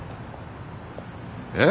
えっ？